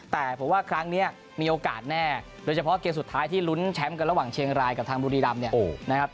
แต่ผมว่าครั้งนี้มีโอกาสแน่โดยเฉพาะเกมสุดท้ายที่ลุ้นแชมป์กันระหว่างเชียงรายกับทางบุรีรำเนี่ยนะครับ